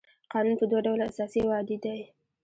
قانون په دوه ډوله اساسي او عادي دی.